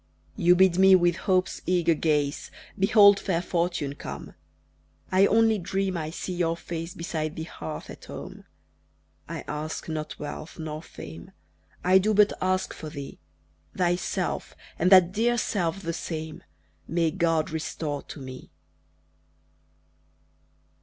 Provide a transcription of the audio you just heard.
You bid me with hope's eager gaze Behold fair fortune come. I only dream I see your face Beside the hearth at home. I ask not wealth nor fame, I do but ask for thee! Thyself and that dear self the same May God restore to me!